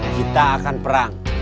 kita akan perang